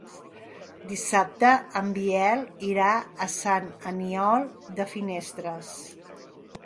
Dissabte en Biel irà a Sant Aniol de Finestres.